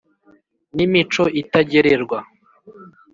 n ' imico itagererwa,